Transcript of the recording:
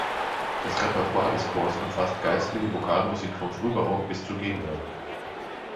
Das Repertoire des Chors umfasst geistliche Vokalmusik vom Frühbarock bis zur Gegenwart.